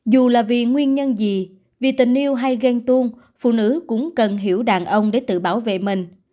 dù là vì nguyên nhân gì vì tình yêu hay ghen tuôn phụ nữ cũng cần hiểu đàn ông để tự bảo vệ mình